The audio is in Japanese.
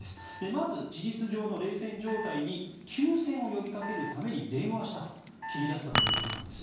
まず、事実上の冷戦状態に休戦を呼びかけるために電話したと切り出したということなんです。